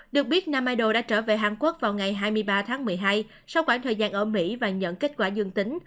được biết nam đã trở về hàn quốc vào ngày hai mươi ba tháng một mươi hai sau khoảng thời gian ở mỹ và nhận kết quả dương tính